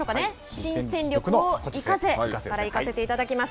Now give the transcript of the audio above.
新戦力を生かせから行かせていただきます。